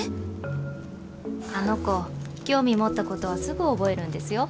あの子興味持ったことはすぐ覚えるんですよ。